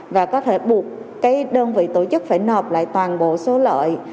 và có thể buộc cái đơn vị tổ chức phải nộp lại toàn bộ số lợi